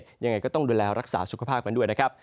เป็นพิเศษยังไงก็ต้องดูแลรักษาสุขภาคมันด้วยนะครับ